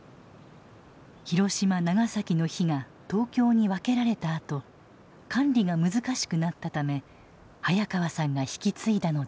広島長崎の火が東京に分けられたあと管理が難しくなったため早川さんが引き継いだのです。